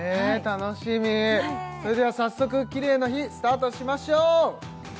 楽しみそれでは早速キレイの日スタートしましょうＶＴＲ